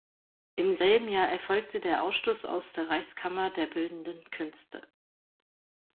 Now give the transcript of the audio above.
Im selben Jahr erfolgte der Ausschluss aus der Reichskammer der bildenden Künste.